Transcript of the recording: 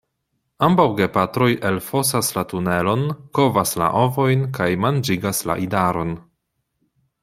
Ambaŭ gepatroj elfosas la tunelon, kovas la ovojn kaj manĝigas la idaron.